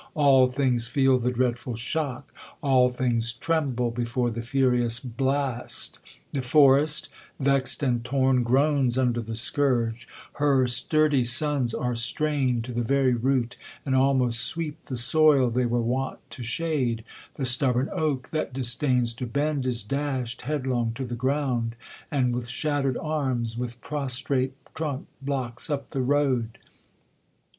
All things fcol the dread ful shock. All things tremble before the. furious blast. The forest, vexed and torn, groans undcrlhe scourge. G 2 Hex. 78 THE COLUMBIAN ORATOR. Her sturdy sons are strained to the very root, and af most sweep the soil they were wont to shade. The stubborn oak, that disdains to bend, is dashed head long to the ground ; and, with shattered arms, with prostrate trunk, blocks up the road.